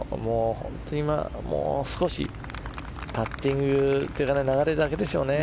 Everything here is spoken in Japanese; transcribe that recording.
もう少しパッティングというか流れだけでしょうね。